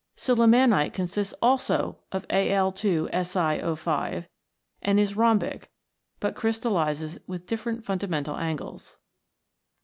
Sillimanite consists also of Al 2 Si0 5 and is rhombic, but crystallises with different fundamental angles.